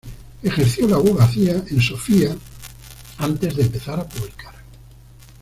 Ejerció la abogacía en Sofía antes de empezar a publicar.